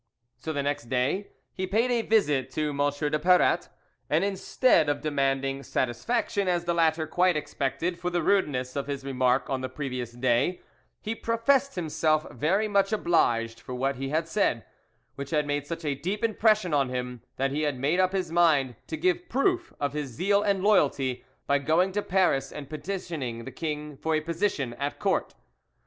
So the next day he paid a visit to M. de Paratte, and instead of demanding satisfaction, as the latter quite expected, for the rudeness of his remarks on the previous day, he professed himself very much obliged for what he had said, which had made such a deep impression on him that he had made up his mind to give proof of his zeal and loyalty by going to Paris and petitioning the king for a position at court.